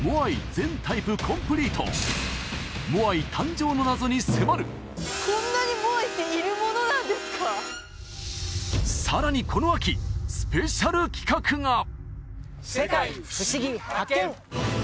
全タイプコンプリートモアイ誕生の謎に迫るこの秋スペシャル企画が「世界ふしぎ発見！」